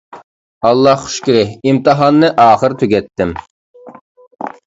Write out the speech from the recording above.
ئاللاھقا شۈكرى. ئىمتىھاننى ئاخىرى تۈگەتتىم.